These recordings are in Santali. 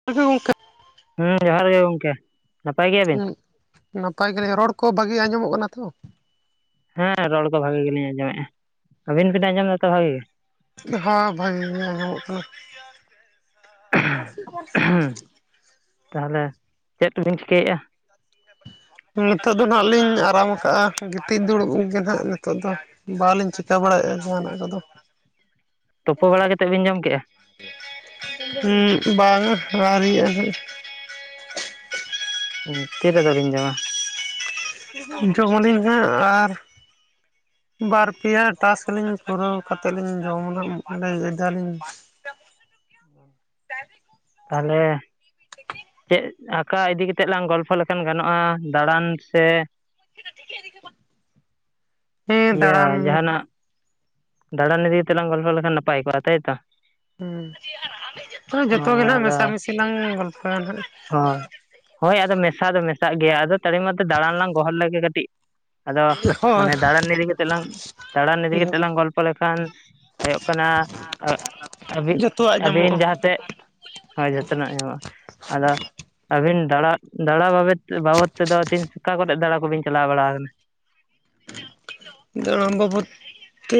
[unintelligible] ᱦᱚᱸ ᱡᱚᱦᱟᱨ ᱜᱮ ᱜᱚᱝᱠᱮ ᱱᱟᱯᱟᱭ ᱜᱮᱭᱟᱵᱤᱱ? ᱦᱩᱸᱜ ᱱᱟᱯᱟᱭ ᱜᱮ ᱨᱚᱲ ᱠᱚ ᱵᱷᱟᱜᱤ ᱟᱸᱡᱚᱢᱚᱜ ᱠᱟᱱᱟ ᱛᱚ? ᱦᱮᱸ ᱨᱚᱲ ᱫᱚ ᱵᱷᱟᱜᱤ ᱜᱮᱞᱤᱧ ᱟᱸᱡᱚᱢᱮᱜᱼᱟ᱾ ᱟᱹᱵᱤᱱ ᱵᱤᱱ ᱟᱸᱡᱚᱢ ᱮᱫᱟ ᱛᱚ ᱵᱷᱟᱜᱤ ᱜᱮ? ᱦᱟ ᱵᱷᱟᱹᱜᱤ ᱧᱟᱢᱚᱜ ᱠᱟᱱᱟ᱾ ᱛᱟᱦᱞᱮ ᱪᱮᱜ ᱠᱚᱵᱤᱱ ᱪᱤᱠᱟᱹᱭᱮᱜᱼᱟ? [inaudible] ᱱᱤᱛᱚᱜ ᱫᱚ ᱱᱟᱦᱟᱜ ᱞᱤᱧ ᱟᱨᱟᱢ ᱟᱠᱟᱜᱼᱟ ᱜᱤᱛᱤᱡ ᱫᱩᱲᱩᱵ ᱜᱮ ᱱᱟᱦᱟᱜ ᱱᱤᱛᱚᱜ ᱫᱚ ᱵᱟᱞᱤᱧ ᱪᱤᱠ ᱠᱟᱹ ᱵᱟᱲᱟᱭᱮᱜᱼᱟ ᱡᱟᱦᱟᱱᱟᱜ ᱠᱚᱫᱚ᱾ ᱛᱚᱯᱳ ᱵᱟᱲᱟ ᱠᱟᱛᱮᱜ ᱵᱤᱱ ᱡᱚᱢ ᱠᱮᱜᱼᱟ? ᱦᱩᱸᱜ ᱵᱟᱝᱟ ᱟᱹᱨᱤᱭᱟᱜᱼᱟ ᱦᱟᱸᱜ ᱩᱸ ᱛᱤᱨ ᱨᱮᱫᱚ ᱵᱤᱱ ᱡᱚᱢᱟ? ᱡᱚᱢ ᱟᱹᱞᱤᱧ ᱦᱟᱸᱜ ᱟᱨ ᱵᱟᱨ ᱯᱮᱭᱟ ᱴᱟᱥᱠ ᱞᱤᱧ ᱯᱩᱨᱟᱹᱣ ᱠᱟᱛᱮᱫ ᱞᱤᱧ ᱡᱚᱢ ᱟ ᱦᱟᱸᱜ ᱢᱚᱱᱮ ᱮᱫᱟᱞᱤᱧ, ᱛᱟᱦᱚᱞᱮ ᱪᱮᱫ ᱟᱸᱠᱟ ᱤᱫᱤ ᱠᱟᱛᱮᱫ ᱞᱟᱝ ᱜᱚᱞᱯᱷᱚ ᱞᱮᱠᱷᱟᱱ ᱜᱟᱱᱚᱜᱼᱟ ᱫᱟᱬᱟᱱ ᱥᱮ ᱦᱮᱸ ᱤᱭᱟᱹ ᱫᱟᱬᱟᱱ ᱡᱟᱦᱟᱱᱟᱜ ᱫᱟᱲᱟᱱ ᱤᱫᱤ ᱠᱟᱛᱮᱞᱟᱝ ᱜᱚᱞᱯᱚ ᱞᱮᱠᱷᱟᱱ, ᱱᱟᱯᱟᱭ ᱠᱚᱜᱼᱟ ᱛᱟᱭᱛᱚ? ᱦᱩᱸ ᱡᱚᱛᱚ ᱜᱮ ᱦᱳᱭ ᱱᱟ ᱦᱟᱜ, ᱟᱫᱚ ᱢᱮᱥᱟᱢᱤᱥᱤ ᱞᱟᱝ ᱜᱚᱞᱯᱚᱭᱟ ᱱᱟ ᱦᱟᱜ᱾ ᱦᱳᱭ, ᱦᱳᱭ ᱟᱫᱚ ᱢᱮᱥᱟ ᱫᱚ ᱢᱮᱥᱟᱜ ᱜᱮᱭᱟ, ᱟᱫᱚ ᱛᱟᱲ ᱢᱟᱛᱚ ᱫᱟᱲᱟᱱ ᱞᱟᱝ ᱜᱚᱦᱚᱲ ᱞᱮᱜᱮ ᱠᱟᱹᱴᱤᱡ᱾ ᱟᱫᱚ, ᱦᱳᱭ ᱢᱟᱱᱮ ᱫᱟᱬᱟᱱ ᱤᱫᱤ ᱠᱟᱛᱮᱜ ᱞᱟᱝ, ᱫᱟᱬᱟᱱ ᱤᱫᱤ ᱠᱟᱛᱮ ᱞᱟᱝ ᱜᱚᱞᱯᱚ ᱞᱮᱠᱷᱟᱱ? ᱦᱳᱭᱳᱜ ᱠᱟᱱᱟ, ᱟᱸ, ᱟᱹᱵᱤᱱ, ᱡᱚᱛᱚᱣᱟᱜ ᱧᱟᱢᱚᱜᱼᱟ ᱟᱵᱤᱱ ᱡᱟᱦᱟᱸ ᱥᱮᱫ? ᱦᱚᱭ ᱡᱷᱚᱛᱚ ᱱᱟᱜ ᱧᱟᱢᱚᱜᱼᱟ᱾ ᱟᱫᱚ ᱟᱹᱵᱤᱱ ᱫᱟᱬᱟ, ᱫᱟᱬᱟ ᱵᱟᱵᱮᱛ, ᱵᱟᱵᱚᱫ ᱛᱮᱫᱚ ᱛᱤᱱ ᱚᱠᱟ ᱠᱚᱨᱮ, ᱫᱟᱬᱟ ᱠᱚᱵᱤᱱ ᱪᱟᱞᱟᱣ ᱵᱟᱲᱟ ᱠᱟᱱᱟ? ᱫᱟᱬᱟ ᱵᱟᱵᱚᱫᱛᱮ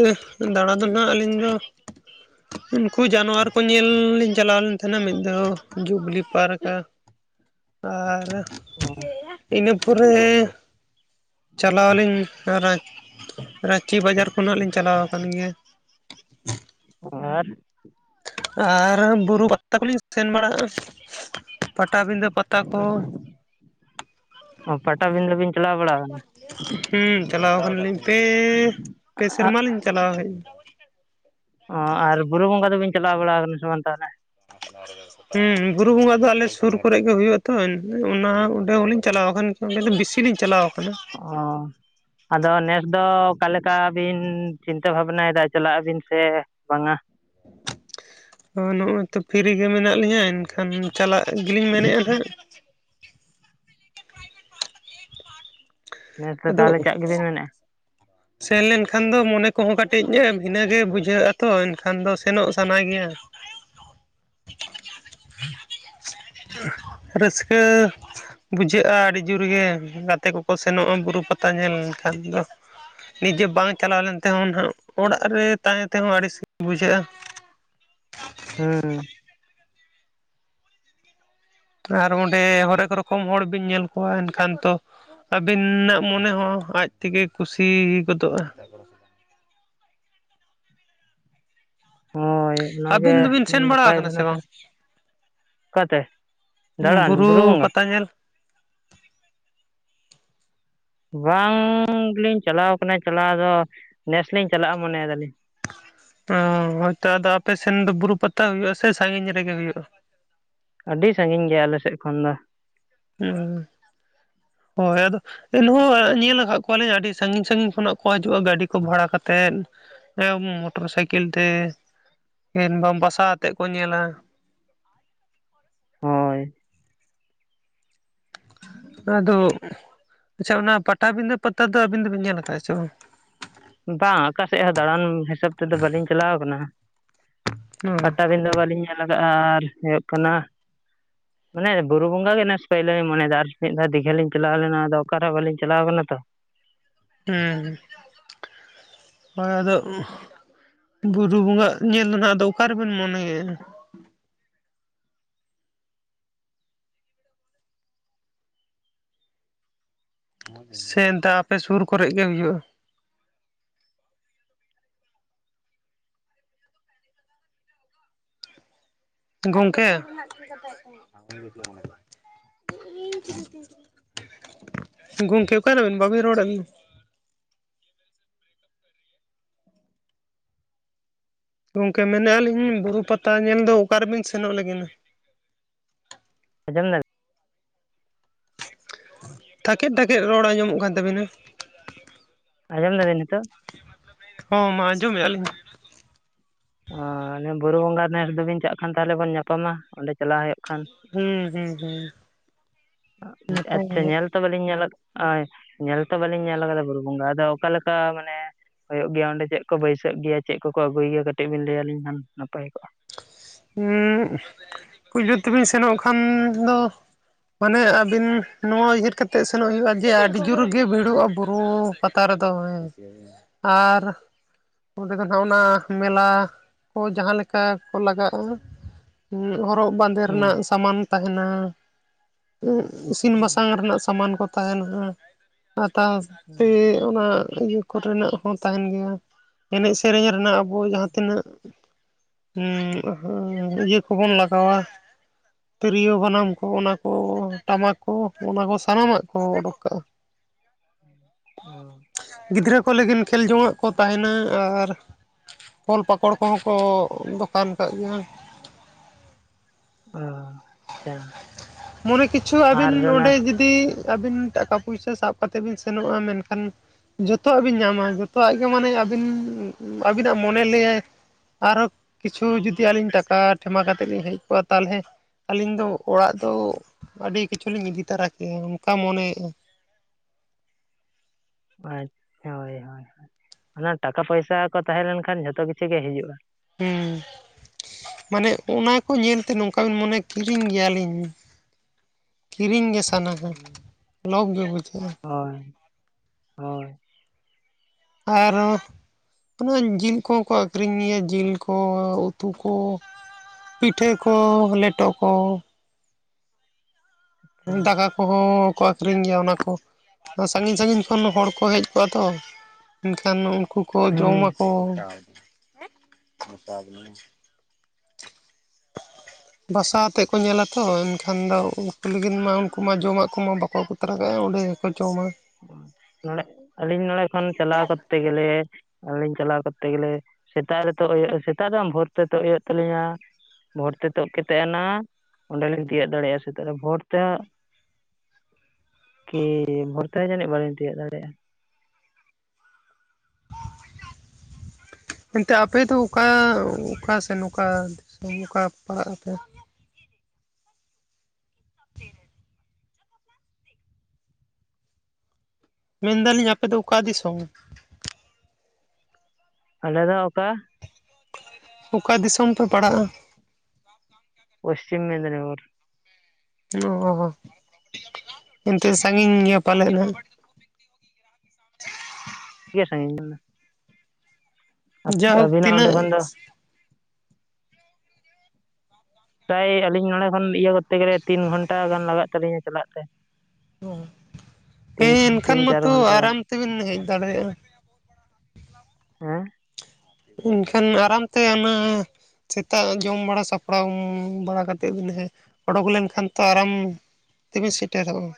ᱫᱟᱬᱟ ᱫᱚ ᱦᱟᱸᱜ ᱟᱹᱞᱤᱧ ᱫᱚ ᱦ [inaudible] [unintelligible] ᱩᱱᱠᱩ ᱡᱟᱱᱣᱟᱨ ᱠᱚ ᱧᱮᱞ ᱞᱤᱧ, ᱪᱟᱞᱟᱣ ᱞᱮᱱ ᱛᱟᱦᱮᱸᱱᱟ ᱢᱤᱫ ᱫᱷᱟᱣ ᱡᱩᱵᱽᱞᱤ ᱯᱟᱨᱠ ᱟᱨ᱾ ᱟᱨ ᱤᱱᱟᱹ ᱯᱚᱨᱮ, ᱪᱟᱞᱟᱣ ᱞᱤᱧ- ᱟᱨ ᱨᱟᱸᱪᱤ ᱵᱟᱡᱟᱨ ᱠᱷᱚᱱᱟᱜ ᱞᱤᱧ ᱪᱟᱞᱟᱣ ᱟᱠᱟᱱ ᱜᱮᱭᱟ᱾ ᱟᱨ ᱟᱨ ᱵᱩᱨᱩ ᱯᱟᱛᱟ ᱠᱚᱞᱤᱧ ᱥᱮᱱ ᱵᱟᱲᱟᱜᱼᱟ, ᱯᱟᱴᱟᱵᱤᱸᱫᱟᱹ ᱯᱟᱛᱟ᱾ ᱠᱚ ᱮᱸ ᱯᱟᱴᱟᱵᱤᱸᱫᱟᱹ ᱵᱤᱱ ᱪᱟᱞᱟᱣ ᱵᱟᱲᱟ? ᱟᱠᱟᱱᱟ ᱦᱩᱸ ᱪᱟᱞᱟᱣ ᱠᱟᱱᱟᱞᱤᱧ, ᱯᱮ-ᱯᱮ ᱥᱮᱨᱢᱟ ᱞᱤᱧ ᱪᱟᱞᱟᱣ ᱦᱮᱡ ᱚ, ᱟᱨ ᱵᱩᱨᱩ ᱵᱚᱸᱜᱟ ᱫᱚᱵᱤᱱ ᱪᱟᱞᱟᱣ ᱵᱟᱲᱟ ᱠᱟᱱᱟ, ᱥᱮ ᱵᱟᱝ ᱛᱟᱦᱚᱞᱮ? ᱟ [inaudible] [unintelligible] ᱦᱩᱸ ᱵᱩᱨᱩ ᱵᱚᱸᱜᱟ ᱫᱚ ᱟᱞᱮ ᱥᱩᱨ ᱠᱚᱨᱮ ᱜᱮ ᱦᱳᱭᱳᱜᱼᱟ ᱛᱚ, ᱚᱱᱟ ᱚᱸᱰᱮ ᱦᱚᱸᱞᱤᱧ ᱪᱟᱞᱟᱣ ᱟᱠᱟᱱ᱾ ᱚᱰᱮ ᱫᱚ ᱵᱤᱥᱤ ᱞᱤᱧ ᱪᱟᱞᱟᱣ ᱠᱟᱱᱟ᱾ ᱚᱸ᱾ ᱟᱫᱚ ᱱᱮᱥ ᱫᱚ ᱚᱠᱟᱞᱮᱠᱟ ᱵᱤᱱ, ᱪᱤᱱᱛᱟᱹ ᱵᱷᱟᱵᱱᱟᱭ ᱫᱟ, ᱪᱟᱞᱟᱜ ᱟᱵᱤᱱ ᱥᱮ- ᱵᱟᱝ-ᱟ? ᱚ ᱱᱚᱜᱼᱚᱭ ᱛᱚ ᱯᱷᱤᱨᱤ ᱜᱮ ᱢᱮᱱᱟᱜ ᱞᱤᱧᱟᱹ, ᱮᱱᱠᱷᱟᱱ ᱪᱟᱞᱟᱜ ᱜᱮᱞᱤᱧ ᱢᱮᱱᱮᱜᱼᱟ ᱦᱟᱸᱜ᱾ ᱱᱮᱥ ᱫᱚ ᱟᱫᱚ ᱛᱟᱦᱚᱞᱮ ᱪᱟᱜ ᱜᱮᱵᱤᱱ ᱢᱮᱱᱮᱫᱼᱟ ᱥᱮᱱ ᱞᱮᱱᱠᱷᱟᱱ ᱫᱚ, ᱢᱚᱱᱮ ᱠᱚᱦᱚᱸ ᱠᱟᱹᱴᱤᱡ ᱜᱮ ᱵᱷᱤᱱᱟᱹ ᱜᱮ ᱵᱩᱡᱷᱟᱹᱜᱼᱟ, ᱛᱚ ᱮᱱᱠᱷᱟᱱ ᱫᱚ ᱥᱮᱱᱚᱜ ᱥᱟᱱᱟ ᱜᱮᱭᱟ᱾ ᱨᱟᱹᱥᱠᱟᱹ ᱵᱩᱡᱷᱟᱹᱜᱼᱟ, ᱟᱹᱰᱤ ᱡᱩᱨᱜᱮ ᱜᱟᱛᱮ ᱠᱚᱠᱚ ᱥᱮᱱᱚᱜᱼᱟ, ᱵᱩᱨᱩ ᱯᱟᱛᱟ ᱧᱮᱞ ᱮᱱᱷᱟᱱ ᱫᱚ ᱱᱤᱡᱮ ᱵᱟᱝ ᱪᱟᱞᱟᱣ ᱞᱮᱱ ᱛᱮᱦᱚᱸ ᱱᱟᱦᱟᱜ, ᱚᱲᱟᱜ ᱨᱮ ᱛᱟᱦᱮᱸ ᱛᱮᱦᱚᱸ, ᱟᱹᱲᱤᱥ ᱵᱩᱡᱷᱟᱹᱜᱼᱟ᱾ ᱦᱩᱸ᱾ ᱟᱨ ᱚᱸᱰᱮ ᱚᱨᱮᱠ ᱨᱚᱠᱚᱢ, ᱦᱚᱲ ᱵᱤᱱ ᱧᱮᱞ ᱠᱚᱶᱟ ᱮᱱᱠᱷᱟᱱ ᱛᱚ ᱟᱹᱵᱤᱱᱟᱜ ᱢᱚᱱᱮ ᱦᱚᱸ, ᱟᱡ ᱛᱮᱜᱮ ᱠᱩᱥᱤ ᱜᱚᱫᱚᱜᱼᱟ᱾ ᱦᱚᱭ, ᱚᱱᱟᱜᱮ ᱟᱹᱵᱤᱱ ᱫᱚᱵᱤᱱ ᱥᱮᱱ ᱵᱟᱲᱟ ᱱᱟᱯᱟᱭ ᱫᱚ ᱟᱠᱟᱱᱟ ᱥᱮ ᱵᱟᱝ ᱱᱟᱯᱟᱭ᱾ ᱚᱠᱟᱛᱮ ᱫᱟᱬᱟᱱ ᱵᱩᱨᱩ ᱵᱚᱸᱜᱟ᱾ ᱯᱟᱛᱟ ᱧᱮᱞ ᱵᱟᱝᱜᱤᱞᱤᱧ ᱪᱟᱞᱟᱣ ᱠᱟᱱᱟ ᱪᱟᱞᱟᱣ ᱫᱚ ᱱᱮᱥ ᱞᱤᱧ ᱪᱟᱞᱟᱜᱼᱟ ᱢᱚᱱᱮᱭᱫᱟᱞᱤᱧ᱾ ᱚ ᱦᱳᱭᱛᱚ ᱟᱫᱚ ᱟᱯᱮᱥᱮᱱ ᱫᱚ ᱵᱩᱨᱩ ᱯᱟᱛᱟ ᱦᱩᱭᱩᱜ ᱟ ᱥᱮ ᱥᱟᱺᱜᱤᱧ ᱨᱮᱜᱮ ᱦᱩᱭᱩᱜᱼᱟ᱾ ᱟᱹᱰᱤ ᱥᱟᱺᱜᱤᱧ ᱜᱮᱭᱟ ᱟᱞᱮ ᱥᱮᱫ ᱠᱷᱚᱱ ᱫᱚ᱾ ᱦᱩᱸ, ᱦᱳᱭ- ᱟᱫᱚ ᱮᱱᱦᱚᱸ ᱧᱮᱞ ᱟᱠᱟᱫ ᱠᱚᱣᱟᱞᱤᱧ ᱟᱹᱰᱤ ᱥᱟᱺᱜᱤᱧ ᱥᱟᱹᱜᱤᱧ ᱠᱷᱚᱱᱟᱜ ᱠᱚ ᱦᱤᱡᱩᱜᱼᱟ ᱜᱟᱹᱰᱤ ᱠᱚ ᱵᱷᱟᱲᱟᱠᱟᱛᱮᱫ᱾ ᱮᱸ ᱢᱚᱴᱚᱨ ᱥᱟᱭᱠᱮᱞ ᱛᱮ ᱠᱤᱱᱵᱟ ᱵᱟᱥᱟ ᱟᱛᱮᱜ ᱠᱚ ᱧᱮᱞᱟ᱾ ᱦᱳᱭ ᱟᱫᱚ ᱟᱪᱪᱷᱟ, ᱚᱱᱟ ᱯᱟᱴᱟᱵᱤᱫᱟᱹ ᱯᱟᱛᱟ ᱫᱚ, ᱟᱹᱵᱤᱱ ᱫᱚᱵᱤᱱ ᱧᱮᱞ ᱠᱟᱜᱼᱟ, ᱪᱮ ᱵᱟᱝ? ᱵᱟᱝ ᱚᱠᱟᱥᱮᱫ ᱦᱚᱸ ᱫᱟᱬᱟᱱ ᱦᱤᱥᱟᱹᱵ, ᱛᱮᱫᱚ ᱵᱟᱹᱞᱤᱧ ᱪᱟᱞᱟᱣ ᱠᱟᱱᱟ᱾ ᱦᱩᱸ ᱯᱟᱴᱟᱵᱤᱫᱟᱹ ᱵᱟ. ᱞᱤᱧ ᱧᱮᱞ ᱠᱟᱜᱼᱟ ᱟᱨ ᱦᱳᱭᱳᱜ ᱠᱟᱱᱟ [inaudible] [inaudible] ᱢᱟᱱᱮ ᱵᱩᱨᱩ ᱵᱚᱸᱜᱟ ᱜᱮ ᱱᱮᱥ ᱯᱟᱹᱭᱞᱟᱹᱞᱤᱧ ᱢᱚᱱᱮᱭ ᱫᱟ, ᱟᱨ ᱢᱤᱫ ᱫᱷᱟᱣ ᱫᱤᱜᱷᱟ ᱞᱤᱧ ᱪᱟᱞᱟᱣ ᱞᱮᱱᱟ, ᱟᱫᱚ ᱚᱠᱟᱨᱮᱦᱚᱸ ᱵᱟᱞᱤᱧ ᱪᱟᱞᱟᱣ ᱠᱟᱱᱟ ᱛᱚ᱾ ᱦᱩᱸ, ᱦᱳᱭ ᱟᱫᱚ ᱵᱩᱨᱩ ᱵᱚᱸᱜᱟᱜ ᱧᱮᱞ ᱨᱮᱱᱟᱜ ᱫᱚ, ᱚᱠᱟ ᱨᱮᱵᱤᱱ ᱢᱚᱱᱮᱭ-ᱟ? ᱥᱮ ᱮᱱᱮᱛ ᱟᱯᱮ ᱥᱩᱨ ᱠᱚᱨᱮᱜ ᱜᱮ ᱦᱩᱭᱩᱜᱼᱟ? ᱜᱚᱝᱠᱮ? ᱜᱚᱝᱠᱮ ᱚᱠᱟᱭᱱᱟ ᱵᱮᱱ ᱵᱟᱵᱤᱱ ᱨᱚᱲ ᱮᱫ ᱫᱚ? ᱜᱚᱝᱠᱮ ᱢᱮᱱᱮᱫᱼᱟ ᱞᱤᱧ ᱵᱩᱨᱩ ᱯᱟᱛᱟ ᱧᱮᱞ ᱫᱚ ᱚᱠᱟᱨᱮᱵᱮᱱ ᱥᱮᱱᱚᱜ ᱞᱟᱹᱜᱤᱫ? ᱟᱡᱚᱢ ᱫᱟ ᱵᱤᱱ? ᱴᱷᱟᱠᱮᱫ ᱴᱷᱟᱠᱮᱫ ᱨᱚᱲ ᱟᱸᱡᱚᱢᱚᱜ ᱠᱟᱱ ᱛᱟᱹᱵᱤᱱᱟ᱾ ᱟᱸᱡᱚᱢ ᱫᱟ ᱵᱤᱱ ᱱᱤᱛᱚᱜ? ᱦᱚᱸ ᱢᱟ ᱟᱸᱡᱚᱢᱮᱜᱼᱟ ᱞᱤᱧ᱾ ᱚᱻ ᱵᱩᱨᱩ ᱵᱚᱸᱜᱟ ᱱᱮᱥ ᱫᱚ ᱵᱤᱱ ᱪᱟᱜ ᱠᱷᱟᱱ ᱛᱟᱦᱞᱮ ᱵᱚᱱ ᱧᱟᱯᱟ ᱢᱟ, ᱚᱸᱰᱮ ᱪᱟᱞᱟ ᱦᱩᱭᱩᱜ ᱠᱷᱟᱱ ᱦᱩᱸ ᱦᱩᱸ ᱦᱩᱸᱧᱟᱯᱟᱢ ᱟᱪᱪᱷᱟ ᱟᱵᱚᱜ, ᱧᱮᱞ ᱛᱚ ᱵᱟ. ᱞᱤᱧ ᱧᱮᱞᱟᱫ ᱟᱭ ᱧᱮᱞ ᱛᱚ ᱵᱟᱹᱞᱤᱧ ᱧᱮᱞ ᱟᱠᱟᱫᱟ ᱵᱩᱨᱩ ᱵᱚᱸᱜᱟ ᱟᱫᱚ ᱚᱠᱟᱞᱮᱠᱟ ᱢᱟᱱᱮ- ᱦᱳᱭᱳᱜ ᱜᱮᱭᱟ, ᱚᱸᱰᱮ ᱪᱮᱫ ᱠᱚ ᱵᱟᱹᱭᱥᱟᱹᱜ ᱜᱮᱭᱟ, ᱪᱮᱫ ᱠᱚᱠᱚ ᱟᱹᱜᱩᱭ ᱜᱮᱭᱟ, ᱠᱟᱹᱴᱤᱡ ᱵᱤᱱ ᱞᱟᱹᱭ ᱟᱹᱞᱤᱧ ᱠᱷᱟᱱ ᱱᱟᱯᱟᱭ ᱠᱚᱜᱼᱟ? [unintelligible] ᱯᱩᱭᱞᱩ ᱛᱮᱵᱤᱱ ᱥᱮᱱᱚᱜ ᱠᱷᱟᱱ ᱫᱚᱼᱼ ᱢᱟᱱᱮ ᱟᱹᱵᱤᱱ ᱱᱚᱣᱟ ᱩᱭᱦᱟᱹᱨ ᱠᱟᱛᱮᱫ ᱥᱮᱱᱚᱜ ᱦᱩᱭᱩᱜᱼᱟ, ᱡᱮ ᱟᱹᱰᱤ ᱡᱩᱨᱜᱮ ᱵᱷᱤᱲᱚᱜᱼᱟ ᱵᱳᱨᱳ ᱯᱟᱛᱼᱼ ᱛᱟ ᱨᱮ ᱫᱚ ᱦᱩᱭ ᱟᱨᱼᱼ ᱚᱸᱰᱮ ᱫᱚ ᱦᱟᱸᱜ ᱚᱱᱟ ᱢᱮᱞᱟ ᱠᱚ ᱡᱟᱦᱟᱸ ᱞᱮᱠᱟ ᱠᱚ ᱞᱟᱜᱟᱜ᱾ ᱦᱚᱨᱚᱜ ᱵᱟᱸᱫᱮ ᱦᱩᱸ ᱨᱮᱱᱟᱜ ᱥᱟᱢᱟᱱ ᱛᱟᱦᱮᱱᱟ᱾ ᱤᱥᱤᱱ ᱦᱩᱸ ᱵᱟᱥᱟᱝ ᱨᱮᱱᱟᱜ ᱥᱟᱢᱟᱱ ᱠᱚ ᱛᱟᱦᱮᱱᱟ᱾ ᱦᱟᱛᱟᱣ ᱥᱮ ᱦᱩᱸ ᱚᱱᱟ ᱤᱭᱟᱹ ᱠᱚᱨᱮᱱᱟᱜ ᱦᱚᱸ ᱛᱟᱦᱮᱱ ᱜᱮᱭᱟ᱾ ᱮᱱᱮᱡ ᱥᱮᱨᱮᱧ ᱨᱮᱱᱟᱜ ᱟᱵᱚ ᱡᱟᱦᱟᱸ ᱛᱤᱱᱟᱹᱜ [unintelligible] ᱦᱮᱸ ᱤᱭᱟᱹ ᱠᱚ ᱵᱚᱱ ᱞᱟᱜᱟᱣᱟ ᱛᱤᱨᱭᱳ ᱵᱟᱱᱟᱢ ᱠᱚ ᱚᱱᱟ ᱠᱚ ᱴᱟᱢᱟᱠ ᱠᱚ ᱚᱱᱟ ᱠᱚ ᱥᱟᱱᱟᱢ ᱟᱜ ᱠᱚ ᱳᱰᱳᱠ ᱠᱟᱜᱼᱟ᱾ [unintelligible] ᱚ ᱜᱤᱫᱽᱨᱟᱹ ᱠᱚ ᱞᱟᱹᱜᱤᱫ ᱠᱷᱮᱞ ᱡᱚᱝ ᱟᱜ ᱠᱚ ᱛᱟᱦᱮᱸᱱᱟ, ᱟᱨ ᱯᱷᱚᱞ ᱯᱟᱠᱚᱲ ᱠᱚ ᱦᱚᱸ ᱠᱚ ᱫᱚᱠᱟᱱ ᱠᱟᱜ ᱜᱮᱭᱟ᱾ ᱟᱻ ᱢᱚᱱᱮ ᱠᱤᱪᱷᱩ ᱟᱹᱵᱤᱱ ᱟᱨ ᱚᱱᱟ ᱚᱸᱰᱮ ᱡᱩ ᱫᱤ ᱟᱹᱵᱤᱱ ᱴᱟᱠᱟ ᱯᱩᱭᱥᱟᱹ ᱥᱟᱵ ᱠᱟᱛᱮᱫ ᱵᱤᱱ ᱥᱮᱱᱚᱜᱼᱟ ᱢᱮᱱᱠᱷᱟᱱ, ᱡᱚᱛᱚ ᱣᱟᱜ ᱵᱤᱱ ᱧᱟᱢᱟ ᱡᱚᱛᱚ ᱣᱟᱜ ᱜᱮ ᱢᱟᱱᱮ ᱟᱹᱵᱤᱱ ᱟᱹᱵᱤᱱ ᱟᱜ ᱢᱚᱱᱮ ᱞᱟᱹᱭ-ᱟᱭ ᱟᱨᱚ ᱠᱤᱪᱷᱩ ᱡᱩᱫᱤ ᱟᱹᱞᱤᱧ ᱴᱟᱠᱟ ᱴᱷᱮᱢᱟ ᱠᱟᱛᱮᱫ ᱞᱤᱧ ᱦᱮᱜ ᱠᱚᱜᱼᱟ ᱛᱟᱦᱚᱞᱮ, ᱟᱹᱞᱤᱧ ᱫᱚ ᱚᱲᱟᱜ ᱫᱚ ᱟᱹᱰᱤ ᱠᱤᱪᱷᱩ ᱞᱤᱧ ᱤᱫᱤ ᱛᱟᱨᱟ ᱠᱮᱭᱟ, ᱚᱱᱠᱟ ᱢᱚᱱᱮᱭᱮᱜᱼᱟ ᱟᱪᱪᱷᱟ ᱦᱳᱭ ᱦᱳᱭ, ᱚᱱᱟ ᱴᱟᱠᱟ ᱯᱚᱭᱥᱟ ᱠᱚ ᱛᱟᱦᱮᱸ ᱞᱮᱱᱠᱷᱟᱱ, ᱡᱷᱚᱛᱚ ᱠᱤᱪᱷᱩ ᱜᱮ ᱦᱤᱡᱩᱜᱼᱟ᱾ ᱦᱩᱸ ᱢᱟᱱᱮ ᱚᱱᱟ ᱠᱚ ᱧᱮᱞ ᱛᱮ ᱱᱚᱝᱠᱟ ᱵᱤᱱ ᱢᱚᱱᱮ ᱠᱤᱨᱤᱧ ᱜᱮᱭᱟ ᱞᱤᱧ ᱠᱤᱨᱤᱧ ᱜᱮ ᱥᱟᱱᱟ ᱠᱚᱣᱟ ᱦᱩᱸ ᱞᱚᱵᱽ ᱜᱮ ᱵᱩᱡᱷᱟᱹᱜᱼᱟ᱾ ᱦᱳᱭ ᱦᱳᱭ ᱟᱨᱚᱻ ᱚᱱᱟ ᱡᱤᱞ ᱠᱚ ᱦᱚᱸ ᱠᱚ ᱟᱹᱠᱷᱨᱤᱧ ᱜᱮᱭᱟ ᱡᱤᱞ ᱠᱚ ᱩᱛᱩ ᱠᱚ᱾ ᱯᱤᱴᱷᱟᱹ ᱠᱚ ᱞᱮᱴᱚ ᱠᱚ ᱟᱪᱪᱷᱟ ᱫᱟᱠᱟ ᱠᱚ ᱦᱚᱸ ᱠᱚ ᱟᱹᱠᱷᱨᱤᱧ ᱜᱮᱭᱟ᱾ ᱚᱱᱟ ᱠᱚ ᱥᱟᱸᱜᱤᱧ ᱥᱟᱸᱜᱤᱧ ᱠᱷᱚᱱ ᱦᱚᱲ ᱠᱚ ᱦᱮᱡ ᱠᱚᱜᱼᱟ᱾ ᱛᱚ ᱢᱮᱱᱠᱷᱟᱱ ᱩᱱᱠᱩ ᱠᱚ ᱡᱚᱢᱟ ᱦᱩᱸ ᱠᱚ᱾ ᱵᱟᱥᱟ ᱟᱛᱮᱫ ᱠᱚ ᱧᱮᱞᱟ ᱛᱚ ᱮᱱᱠᱷᱟᱱ ᱫᱚ ᱩᱱᱠᱩ ᱞᱟᱹᱜᱤᱫ ᱢᱟ ᱩᱱᱠᱩ ᱢᱟ ᱡᱚᱢᱟᱜ ᱠᱚ ᱢᱟ ᱵᱟ ᱠᱚ ᱟᱹᱜᱩ ᱛᱟᱨᱟ ᱚᱸᱰᱮ ᱜᱮᱠᱚ ᱡᱚᱢᱟ᱾ ᱱᱚᱸᱰᱹᱲᱮᱜ ᱟᱹᱞᱤᱧ ᱱᱚᱸᱲᱮ ᱠᱷᱚᱱ ᱪᱟᱞᱟᱣ ᱠᱚᱨᱛᱮ ᱜᱮᱞᱮ, ᱟᱹᱞᱤᱧ ᱪᱟᱞᱟᱣ ᱠᱚᱨ ᱛᱮ ᱜᱮᱞᱮ ᱥᱮᱛᱟᱜ ᱨᱮ ᱛᱳᱜ ᱦᱳᱭᱳᱜ ᱥᱮᱛᱟᱜ ᱨᱮ ᱵᱷᱳᱨ ᱛᱮ ᱛᱳᱜ ᱦᱳᱭᱳᱜ ᱛᱟᱹᱞᱤᱧᱟ᱾ ᱵᱷᱳᱨ ᱛᱮ ᱛᱳᱫ ᱠᱟᱛᱮᱜ ᱮᱱᱟ ᱚᱸᱰᱮ ᱞᱤᱧ ᱛᱤᱭᱳᱜ ᱫᱟᱲᱮᱭᱟᱜᱼᱟ ᱥᱮᱛᱟᱜ ᱨᱮ ᱵᱷᱳᱨ ᱛᱮᱦᱟᱸᱜ ᱠᱤ ᱵᱷᱚᱨᱛᱮ ᱡᱟᱹᱱᱤᱜ ᱵᱟᱹᱞᱤᱧ ᱛᱤᱭᱟᱹᱜ ᱫᱟᱲᱮᱭᱟᱜᱼᱟ? ᱮᱱᱛᱮ ᱟᱯᱮ ᱫᱚ ᱚᱠᱟ, ᱚᱠᱟ ᱥᱮᱱ, ᱚᱠᱟ ᱫᱤᱥᱚᱢ, ᱚᱠᱟ ᱯᱟᱲᱟᱜ ᱟᱯᱮ? ᱢᱮᱱ ᱮᱫᱟᱞᱤᱧ ᱟᱯᱮ ᱫᱚ ᱚᱠᱟ ᱫᱤᱥᱚᱢ? ᱟᱞᱮᱫᱚ ᱚᱠᱟ ᱚᱠᱟ ᱫᱤᱥᱚᱢ ᱯᱮ ᱯᱟᱲᱟᱜᱼᱟ? ᱯᱚᱥᱪᱤᱢ ᱢᱮᱫᱽᱫᱤᱱᱤᱯᱩᱨ ᱾ ᱚ ᱚᱱᱛᱮ ᱥᱟᱺᱜᱤᱧ ᱜᱮᱭᱟ ᱯᱟᱞᱮᱫ ᱦᱟᱸᱜ ᱜᱮᱭᱟ ᱥᱟᱺᱜᱤᱧ ᱡᱟᱦᱳᱠ ᱟᱹᱵᱤᱱᱟᱜ ᱚᱸᱰᱮ ᱛᱤᱱᱟᱹᱜ ᱠᱷᱚᱱ ᱫᱚ ᱯᱨᱟᱭ ᱟᱞᱤᱧ ᱱᱚᱸᱰᱮ ᱠᱷᱚᱱ ᱤᱭᱟᱹ ᱠᱚᱨᱛᱮ ᱜᱮᱞᱮ ᱛᱤᱱ ᱜᱷᱚᱱᱴᱟ ᱜᱟᱱ ᱞᱟᱜᱟᱜ ᱛᱟᱞᱤᱧᱟ ᱪᱟᱞᱟᱜ ᱛᱮ᱾ ᱛᱤᱱ ᱦᱮᱸ ᱮᱱᱠᱷᱟᱱ ᱛᱤᱱ ᱪᱟᱨ ᱢᱟᱛᱚ ᱜᱷᱚᱱᱴᱟ ᱜᱟᱱ ᱟᱨᱟᱢ ᱛᱮᱵᱤᱱ ᱦᱮᱡ ᱫᱟᱲᱮᱭᱟᱜᱼᱟ᱾ ᱦᱮᱸ ᱮᱱᱠᱷᱟᱱ ᱟᱨᱟᱢ ᱛᱮ ᱚᱱᱟ ᱥᱮᱛᱟᱜ ᱡᱚᱢ ᱵᱟᱲᱟ ᱥᱟᱯᱲᱟᱣ ᱵᱟᱲᱟ ᱠᱟᱛᱮᱫ ᱵᱤᱱ ᱦᱮ, ᱚᱰᱚᱠ ᱞᱮᱱᱠᱷᱟᱱ ᱛᱚ ᱟᱨᱟᱢ ᱛᱮᱵᱤᱱ ᱥᱮᱴᱮᱨᱚᱜᱼᱟ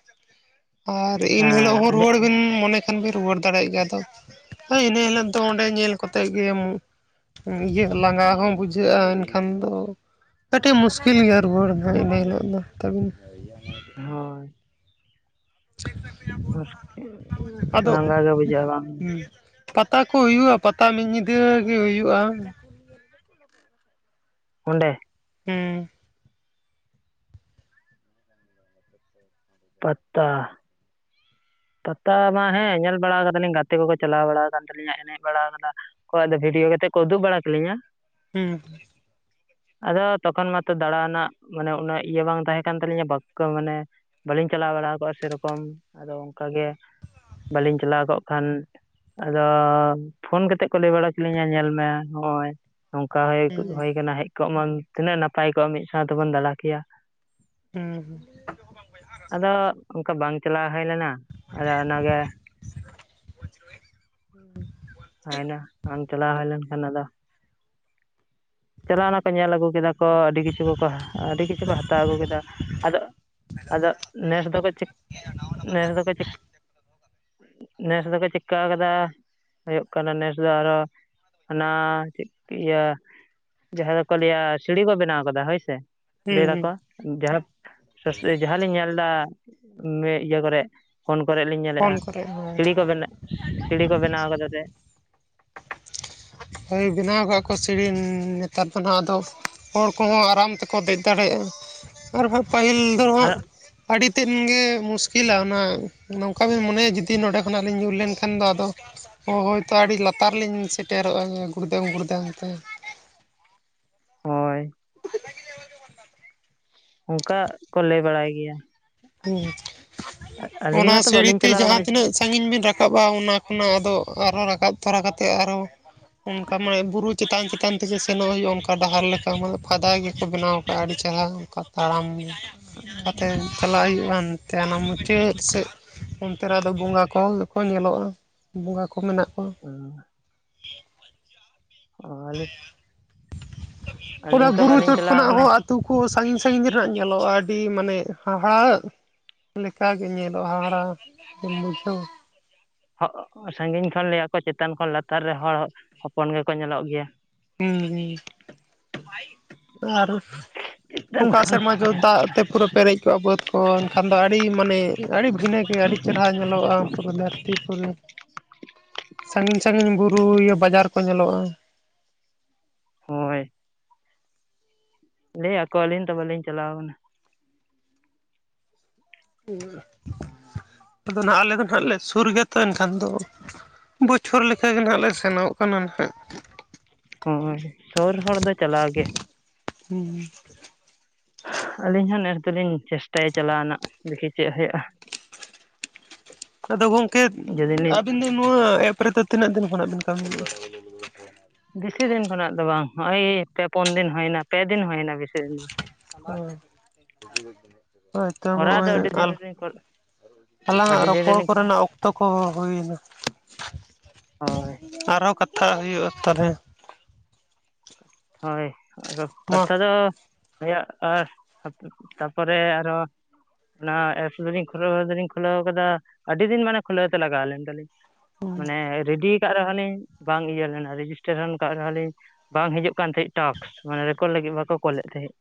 ᱟᱨ ᱤᱱᱦᱤᱞᱳᱜ ᱦᱮᱸ ᱦᱚᱸ ᱟᱹᱰᱤ ᱨᱩᱣᱟᱹᱲ ᱵᱤᱱ ᱢᱚᱱᱮ ᱮᱠᱷᱟᱱ ᱵᱮ ᱨᱩᱣᱟᱹᱲ ᱫᱟᱲᱮᱭᱟᱜ ᱜᱮᱭᱟ ᱟᱫᱚ ᱦᱳᱭ ᱤᱱᱟᱹ ᱦᱤᱞᱳᱜ ᱫᱚ ᱚᱸᱰᱮ ᱧᱮᱞ ᱠᱚ ᱠᱟᱛᱮᱫ ᱜᱮ ᱤᱭᱟᱹ ᱞᱟᱸᱜᱟ ᱦᱚᱸ ᱵᱩᱡᱷᱟᱹᱜᱼᱟ ᱮᱱᱠᱷᱟᱱ ᱫᱚ ᱠᱟᱹᱴᱤᱡ ᱢᱩᱥᱠᱤᱞ ᱜᱮ ᱨᱩᱣᱟᱹᱲ ᱫᱚ, ᱤᱱᱟᱹ ᱦᱤᱞᱳᱜ ᱫᱚ ᱛᱟᱵᱮᱱ ᱦᱳ ᱢᱩᱥᱠᱤᱞ ᱟᱫᱚ ᱞᱟᱸᱜᱟ ᱜᱮ ᱵᱩᱡᱟᱜᱼᱟ ᱵᱟᱝ᱾ ᱦᱩᱸ ᱯᱟᱛᱟ ᱠᱚ ᱦᱩᱭᱩᱜᱼᱟ ᱯᱟᱛᱟ ᱢᱤᱫ ᱧᱤᱫᱟᱹ ᱜᱮ ᱦᱩᱭᱩᱜᱼᱟ᱾ ᱚᱸᱰᱮ? ᱦᱩᱸ᱾ [inaudible] ᱯᱟᱛᱟ ᱯᱟᱛᱟ ᱢᱟ ᱦᱮᱸ ᱧᱮᱞ ᱵᱟᱲᱟ ᱠᱟᱫᱟᱞᱤᱧ ᱜᱟᱛᱮ ᱠᱚᱠᱚ ᱪᱟᱞᱟᱣ ᱵᱟᱲᱟ ᱠᱟᱱᱟᱱ ᱛᱟᱹᱞᱤᱧᱟ ᱮᱱᱮᱡ ᱵᱟᱲᱟ ᱠᱟᱫᱟ ᱞᱮ ᱠᱚ ᱟᱫᱚ ᱵᱷᱤᱰᱭᱳ ᱠᱟᱛᱮ ᱠᱚ ᱩᱫᱩᱜ ᱵᱟᱲᱟ ᱠᱟᱹᱞᱤᱧᱟ᱾ ᱦᱩᱸ ᱦᱩᱸ᱾ ᱟᱫᱚ ᱛᱚᱠᱷᱚᱱ ᱢᱟᱛᱚ ᱫᱟᱬᱟ ᱨᱮᱱᱟᱜ ᱢᱟᱱᱮ ᱩᱱᱟᱹᱜ ᱤᱭᱟᱹ ᱵᱟᱝ ᱛᱟᱦᱮᱸ ᱠᱟᱱ ᱛᱟᱞᱤᱧᱟ ᱵᱟᱠᱠᱚ ᱢᱟᱱᱮ ᱵᱟᱹᱞᱤᱧ ᱪᱟᱞᱟᱣ ᱵᱟᱲᱟᱠᱜᱼᱟ ᱥᱮᱨᱚᱠᱚᱢ, ᱟᱫᱚ ᱚᱱᱠᱟᱜᱮ ᱵᱟᱹᱞᱤᱧ ᱪᱟᱞᱟᱣ ᱠᱚᱜ ᱠᱷᱟᱱ ᱟᱫᱚ ᱯᱷᱳᱱ ᱠᱟᱛᱮᱜ ᱠᱚ ᱞᱟᱹᱭ ᱵᱟᱲᱟ ᱠᱤᱞᱤᱧᱟ ᱧᱮᱞ ᱢᱮ ᱦᱚᱜᱼᱚᱭ ᱱᱚᱝᱠᱟ ᱦᱩᱸ ᱦᱳᱭ ᱟᱠᱟᱱᱟ ᱦᱮᱡ ᱠᱚᱜ ᱢᱟᱢ ᱛᱤᱱᱟᱹᱜ ᱱᱟᱯᱟᱭ ᱠᱚᱜᱼᱟ ᱢᱤᱫ ᱥᱟᱶ ᱛᱮᱵᱚᱱ ᱫᱟᱬᱟ ᱠᱮᱭᱟ᱾ ᱦᱩᱸ ᱦᱩᱸ᱾ ᱟᱫᱚ ᱚᱱᱠᱟ ᱵᱟᱝ ᱪᱟᱞᱟᱣ ᱦᱩᱭ ᱞᱮᱱᱟ ᱟᱫᱚ ᱚᱱᱟᱜᱮ [unintelligible] ᱦᱳᱭᱱᱟ ᱟᱢ ᱪᱟᱞᱟᱣ ᱦᱳᱭ ᱞᱮᱱᱠᱷᱟᱱ ᱟᱫᱚ ᱪᱟᱞᱟᱣᱱᱟ ᱠᱚ ᱧᱮᱞ ᱟᱹᱜᱩ ᱠᱮᱫᱟ ᱠᱚ ᱟᱹᱰᱤ ᱠᱤᱪᱷᱩ ᱠᱚᱠᱚ ᱟᱹᱰᱤ ᱠᱤᱪᱷᱩ ᱠᱚ ᱦᱟᱛᱟᱣ ᱟᱹᱜᱩ ᱠᱮᱫᱟ, ᱟᱫᱚ ᱟᱫᱚ ᱱᱮᱥ ᱫᱚᱠᱚ ᱪᱮᱠ, ᱱᱮᱥ ᱫᱚᱠᱚ ᱪᱮᱠ ᱱᱮᱥ ᱫᱚᱠᱚ ᱪᱮᱠᱠᱟᱹ ᱠᱟᱫᱟ ᱦᱩᱭᱩᱜ ᱠᱟᱱᱟ ᱱᱮᱥ ᱫᱚ ᱟᱨᱦᱚᱸ ᱚᱱᱟ ᱪᱮᱫ ᱤᱭᱟᱹ ᱡᱟᱦᱟᱸ ᱫᱚᱠᱚ ᱞᱟᱹᱭᱟ ᱥᱤᱲᱤ ᱠᱚ ᱵᱮᱱᱟᱣ ᱠᱟᱫᱟ ᱦᱳᱭ ᱥᱮ᱾ ᱦᱩᱸ ᱞᱟᱹᱭ ᱦᱩᱸ ᱫᱟᱠᱚ ᱡᱟᱦᱟᱸ ᱥᱳᱥ ᱡᱟᱦᱟᱸ ᱞᱤᱧ ᱧᱮᱞ ᱫᱟ ᱢᱮᱜ ᱤᱭᱟᱹ ᱠᱚᱨᱮ, ᱯᱷᱳᱱ ᱠᱚᱨᱮ ᱞᱤᱧ ᱯᱷᱳᱱ ᱧᱮᱞᱮᱫᱼᱟ, ᱠᱚᱨᱮ ᱦᱳᱭ ᱥᱤᱲᱤ ᱠᱚ ᱵᱮᱱᱟᱣ ᱥᱤᱲᱤ ᱠᱚ ᱵᱮᱱᱟᱣ ᱠᱟᱫᱟ ᱛᱮ᱾ ᱦᱳᱭ ᱵᱮᱱᱟᱣ ᱠᱟᱜ ᱠᱚ ᱥᱤᱲᱧ ᱱᱮᱛᱟᱨ ᱦᱟᱸᱜ ᱟᱫᱚ ᱦᱚᱲ ᱠᱚᱦᱚᱸ ᱟᱨᱟᱢ ᱛᱮᱠᱚ ᱫᱮᱡ ᱫᱟᱲᱮᱭᱟᱜᱼᱟ, ᱟᱨᱦᱚᱸ ᱯᱟᱹᱦᱤᱞ ᱫᱚ ᱟᱨ ᱦᱟᱸᱜ ᱟᱹᱰᱤ ᱛᱮᱫ ᱜᱮ ᱢᱩᱥᱠᱤᱞᱟ ᱚᱱᱟ ᱱᱚᱝᱠᱟ ᱵᱤᱱ ᱢᱚᱱᱮᱭᱟ ᱡᱩᱫᱤ ᱱᱚᱰᱮ ᱠᱷᱚᱱᱟᱜ ᱞᱤᱧ ᱧᱩᱨ ᱞᱮᱱᱠᱷᱟᱱ ᱫᱚ ᱟᱫᱚ ᱚᱦᱸ, ᱦᱳᱭᱛᱚ ᱟᱹᱰᱤ ᱞᱟᱛᱟᱨ ᱨᱮ ᱞᱤᱧ ᱥᱮᱴᱮᱨᱚᱜᱼᱟ ᱜᱩᱲᱫᱟᱹᱢ ᱜᱩᱲᱫᱟᱹᱟᱝ ᱛᱮ ᱾ ᱦᱳᱭ᱾ [inaudible] ᱚᱱᱠᱟ ᱠᱚ ᱞᱟᱹᱭ ᱵᱟᱲᱟᱭ ᱜᱮᱭᱟ᱾ ᱦᱮᱸ ᱟᱹᱞᱤᱧ ᱚᱱᱟ ᱢᱟᱛᱚ ᱵᱟᱹᱞᱤᱧ ᱥᱟᱹᱲᱤᱛᱮ ᱪᱟᱞᱟᱣ ᱡᱟᱦᱟᱸ ᱠᱟᱱᱟ ᱛᱤᱱᱟᱹᱜ ᱥᱟᱺᱜᱤᱧ ᱵᱮᱱ ᱨᱟᱠᱟᱵᱟ ᱚᱱᱟ ᱠᱷᱚᱱᱟᱜ ᱟᱫᱚ ᱟᱨ ᱦᱚᱸ ᱨᱟᱠᱟᱵ ᱛᱚᱨᱟ ᱠᱟᱛᱮ ᱟᱨᱦᱚᱸ ᱚᱝᱠᱟ ᱢᱟ ᱵᱩᱨᱩ ᱪᱮᱛᱟᱱ ᱪᱮᱛᱟᱱ ᱛᱮᱜᱮ ᱥᱮᱱᱚᱜ ᱦᱩᱭᱩᱜᱼᱟ, ᱚᱝᱠᱟ ᱰᱟᱦᱟᱨ ᱞᱮᱠᱟ ᱢᱟᱱᱮ ᱯᱷᱟᱭᱫᱟ ᱜᱮᱠᱚ ᱵᱮᱱᱟᱣ ᱟᱠᱟᱜᱼᱟ ᱟᱹᱰᱤ ᱪᱮᱦᱨᱟ ᱚᱝᱠᱟ ᱛᱟᱲᱟᱢ ᱟᱛᱮ ᱪᱟᱞᱟᱜ ᱦᱩᱭᱩᱜᱼᱟ ᱮᱱᱛᱮ ᱟᱱᱟ ᱢᱩᱪᱟᱹᱫ ᱥᱮᱫ᱾ ᱚᱱᱛᱮ ᱨᱮ ᱟᱫᱚ ᱵᱚᱸᱜᱟ ᱠᱚᱠᱚ ᱧᱮᱞᱚᱜᱼᱟ ᱵᱚᱸᱜᱟ ᱠᱚ ᱢᱮᱱᱟᱜ ᱠᱚᱣᱟ᱾ ᱚ ᱣᱟᱞᱮ ᱚᱱᱟ ᱛᱚ ᱵᱩᱨᱩ ᱵᱟᱹᱞᱤᱧ ᱪᱚᱴ ᱪᱟᱞᱟᱣ ᱠᱷᱚᱱᱟᱜ ᱠᱟᱱᱟ ᱦᱚᱸ ᱟᱛᱳ ᱠᱚ ᱥᱟᱺᱤᱧ ᱥᱟᱺᱜᱤᱧ ᱨᱮ ᱦᱟᱸᱜ ᱧᱮᱞᱚᱜᱼᱟ ᱟᱹᱰᱤ ᱢᱟᱱᱮ ᱦᱟᱦᱟᱜ ᱞᱮᱠᱟᱜ ᱜᱮ ᱧᱮᱞᱚᱜᱼᱟ ᱦᱟᱦᱟᱲᱟ ᱵᱩᱡᱷᱟᱹᱣ᱾ ᱦᱚᱜ ᱥᱟᱺᱜᱤᱧ ᱠᱷᱚᱱ ᱞᱟᱹᱭᱟ ᱠᱚ ᱪᱮᱛᱟᱱ ᱠᱷᱚᱱ ᱞᱟᱛᱟᱨ ᱨᱮ ᱦᱚᱲ ᱦᱚᱯᱚᱱ ᱜᱮᱠᱚ ᱧᱮᱞᱚᱜ ᱜᱮᱭᱟ᱾ ᱦᱩᱸ [unintelligible] ᱟᱨ ᱪᱮᱛᱟᱱ ᱚᱠᱟ ᱠᱷᱚᱱ ᱥᱮᱨᱢᱟ ᱡᱚ ᱫᱟᱜ ᱛᱮ ᱯᱩᱨᱟᱹ ᱯᱮᱨᱮᱡ ᱠᱚᱜᱼᱟ ᱵᱟᱹᱫᱽ ᱠᱚ ᱮᱱᱠᱷᱟᱱ ᱫᱚ ᱟᱹᱰᱤ ᱢᱟᱱᱮ ᱟᱹᱰᱤ ᱵᱷᱤᱱᱟᱹᱜᱮ ᱟᱹᱰᱤ ᱪᱮᱨᱦᱨᱟ ᱧᱮᱞᱚᱜᱼᱟ ᱯᱩᱨᱟᱹ ᱫᱷᱟᱹᱨᱛᱤᱯᱩᱨᱩᱨᱤ᱾ ᱥᱟᱺᱜᱤᱧ ᱥᱟᱺᱜᱤᱧ ᱵᱩᱨᱩ ᱤᱭᱟᱹ ᱵᱟᱡᱟᱨ ᱠᱚ ᱧᱮᱞᱚᱜᱼᱟ᱾ ᱦᱳᱭ ᱞᱟᱹᱭᱟᱠᱚ ᱟᱹᱞᱤᱧ ᱫᱚ ᱵᱟᱹᱞᱤᱧ ᱪᱟᱞᱟᱣ ᱠᱟᱱᱟ᱾ ᱟᱫᱚ ᱱᱟᱜ ᱟᱞᱮ ᱫᱚ ᱱᱟᱦᱟᱜ ᱞᱮ ᱥᱩᱨ ᱜᱮᱭᱟᱛᱚ ᱮᱱᱠᱷᱟᱱ ᱫᱚ ᱵᱚᱪᱷᱚᱨ ᱞᱮᱠᱟᱜᱮ ᱱᱟᱦᱟᱜ ᱞᱮ ᱥᱮᱱᱚᱜ ᱠᱟᱱᱟ ᱱᱟᱦᱟᱜ᱾ ᱦᱳᱭ ᱥᱩᱨ ᱦᱚᱲ ᱫᱚ ᱪᱟᱞᱟᱣ ᱜᱮ᱾ ᱦᱩᱸ ᱟᱹᱞᱤᱧ ᱦᱚᱸ ᱱᱮᱥ ᱫᱚᱞᱤᱧ ᱪᱮᱥᱴᱟᱭᱟ ᱪᱟᱞᱟᱣ ᱨᱮᱱᱟᱜ ᱫᱮᱠᱷᱤ ᱪᱮᱜ ᱦᱩᱭᱩᱜᱼᱟ᱾ [inaudible] ᱟᱫᱚ ᱜᱚᱝᱠᱮ ᱡᱩᱫᱤ ᱞᱤᱧ ᱟᱹᱵᱤᱱ ᱫᱚ ᱱᱚᱣᱟ ᱮᱯ ᱨᱮᱫᱚ ᱛᱤᱱᱟᱹᱜ ᱫᱤᱱ ᱠᱷᱚᱱᱟᱜ ᱵᱤᱱ ᱠᱟᱹᱢᱤᱭᱫᱟ? ᱵᱮᱥᱤ ᱫᱤᱱ ᱠᱷᱚᱱᱟᱜ ᱫᱚ ᱵᱟᱝ ᱱᱚᱜᱼ‌ᱚᱭ ᱯᱮ ᱯᱩᱱ ᱫᱤᱱ ᱦᱩᱭᱱᱟ ᱯᱮ ᱫᱤᱱ ᱦᱩᱭᱱᱟ ᱵᱮᱥᱤ ᱫᱤᱱ ᱫᱚ ᱦᱳᱭ [unintelligible] ᱦᱳᱭᱛᱚ ᱠᱚᱨᱟᱣ ᱫᱚ ᱦᱚᱸᱜᱼᱚᱭ ᱟᱹᱰᱤ ᱫᱤᱱ ᱟᱞ ᱨᱮᱞᱤᱧ ᱟᱞᱟᱝᱟᱜ ᱟᱹᱰᱤ ᱫᱤᱱ ᱨᱚᱯᱚᱲ ᱨᱮᱞᱤᱧ ᱠᱚᱨᱮᱱᱟᱜ ᱚᱠ ᱛᱚ ᱠᱚᱦᱚᱸ ᱦᱩᱭᱱᱟ᱾ ᱦᱳᱭ ᱟᱨᱦᱚᱸ ᱠᱟᱛᱷᱟᱜ ᱦᱩᱭᱩᱜᱼᱟ ᱛᱟᱞᱦᱮ᱾ ᱦᱳᱭ ᱟᱫᱚ ᱠᱟᱛᱷᱟ ᱫᱚ ᱦᱩᱭᱩᱜ ᱟᱨ ᱛᱟᱯᱚᱨᱮ ᱟᱨᱚ ᱚᱱᱟ ᱮᱯᱥ ᱫᱚᱞᱤᱧ ᱠᱷᱩᱞᱟᱹᱣ ᱫᱚᱞᱤᱧ ᱠᱷᱩᱞᱟᱹᱣ ᱠᱟᱫᱟ ᱟᱹᱰᱤ ᱫᱤᱱ ᱢᱟᱱᱮ ᱠᱷᱩᱞᱟᱹᱣ ᱛᱮ ᱞᱟᱜᱟᱣ ᱞᱮᱱ ᱛᱟᱞᱤᱧ᱾ ᱢᱟᱱᱮ ᱨᱮᱰᱤᱭ ᱠᱟᱜ ᱨᱮᱦᱚᱸᱞᱤᱧ ᱵᱟᱝ ᱤᱭᱟᱹ ᱞᱮᱱᱟ ᱨᱮᱡᱤᱥᱴᱮᱥᱚᱱ ᱠᱟᱜ ᱨᱮᱦᱚᱸ ᱞᱤᱧ ᱵᱟᱝ ᱦᱤᱡᱩᱜ ᱠᱟᱱ ᱛᱟᱦᱮᱸᱜ ᱴᱟᱠᱥ ᱢᱟᱱ ᱨᱮᱠᱚᱰ ᱞᱟᱹᱜᱤᱫ ᱵᱟᱠᱚ ᱠᱚᱞᱮᱫ ᱛᱟᱦᱮᱸᱫ᱾